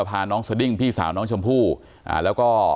อยากให้สังคมรับรู้ด้วย